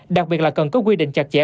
đặc biệt là cần có quy định chặt chẽ